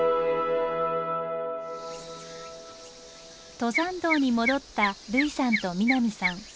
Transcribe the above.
登山道に戻った類さんと南さん。